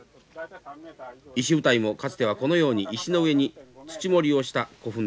石舞台もかつてはこのように石の上に土盛りをした古墳でした。